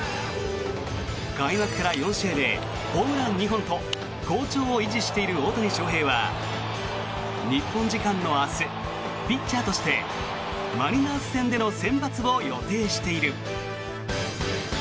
開幕から４試合でホームラン２本と好調を維持している大谷翔平は日本時間の明日ピッチャーとしてマリナーズ戦での先発を予定している。